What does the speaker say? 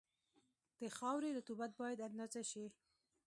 د خاورې رطوبت باید اندازه شي